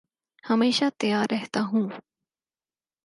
ہمیشہ تیار رہتا ہوں